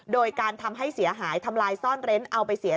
โดยการทำให้เสียหายทำลายซ่อนเร้นเอาไปเสีย